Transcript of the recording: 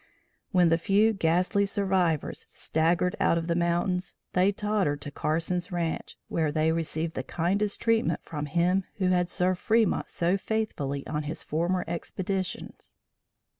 When the few ghastly survivors staggered out of the mountains they tottered to Carson's ranche, where they received the kindest treatment from him who had served Fremont so faithfully on his former expeditions.